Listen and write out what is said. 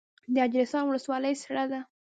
د اجرستان ولسوالۍ سړه ده